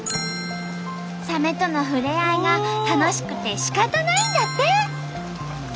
サメとのふれあいが楽しくてしかたないんだって。